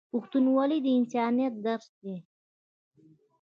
پښتونولي د انسانیت درس دی.